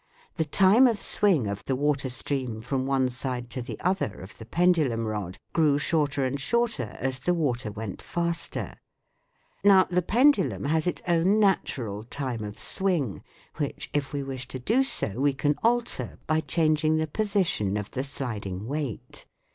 The time of swing of the water stream from one side to the other of the pendulum rod grew shorter and shorter as the water went faster. Now the pendulum has its own natural time of swing, which, if we wish to do so, we can alter by changing the position of the sliding weight.